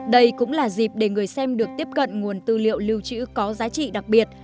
đây cũng là dịp để người xem được tiếp cận nguồn tư liệu lưu trữ có giá trị đặc biệt